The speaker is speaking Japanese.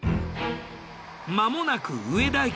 まもなく上田駅。